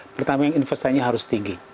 pertama yang investasinya harus tinggi